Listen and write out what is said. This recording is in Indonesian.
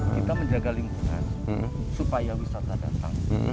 kita menjaga lingkungan supaya wisata datang